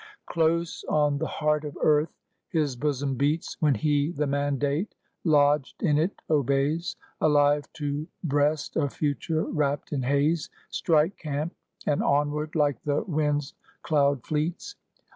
Close on the heart of Earth his bosom beats, When he the mandate lodged in it obeys, Alive to breast a future wrapped in haze, Strike camp, and onward, like the wind's cloud fleets.